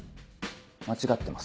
間違ってますか？